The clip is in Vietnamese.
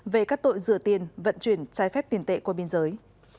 về các tội rửa tiền vận chuyển trái phép tiền tệ qua biên giới